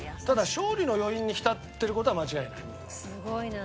ただ勝利の余韻に浸ってる事は間違いない。